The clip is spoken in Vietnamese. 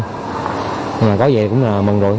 nhưng mà có về cũng là mừng rồi